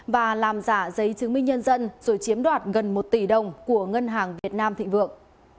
và làm giả giấy chứng minh nhân dân rồi chiếm đoạt gần một tỷ đồng của ngân hàng việt nam thịnh vượng